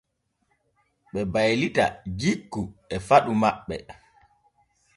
Ɓe baylita jikku e faɗu maɓɓe.